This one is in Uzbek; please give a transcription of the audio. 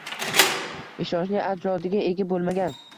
«ishonchli ajdodiga ega bo‘lmagan»